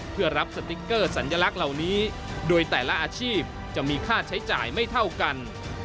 เพื่อรับสติ๊กเกอร์สัญลักษณ์เหล่านี้โดยแต่ละอาชีพจะมีค่าใช้จ่ายไม่เท่ากัน